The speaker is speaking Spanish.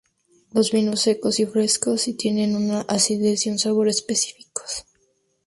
Los vinos son secos y frescos y tienen una acidez y un sabor específicos.